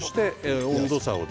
温度差を。